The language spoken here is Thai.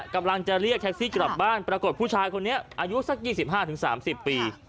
กำลังจะเรียกแท็กซี่กลับบ้านปรากฏผู้ชายคนนี้อายุสักยี่สิบห้าถึงสามสิบปี